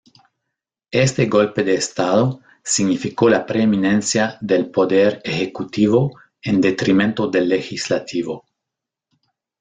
Este golpe de Estado significó la preeminencia del poder ejecutivo en detrimento del legislativo.